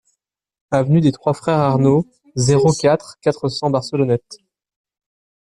Avenue des Trois Frères Arnaud, zéro quatre, quatre cents Barcelonnette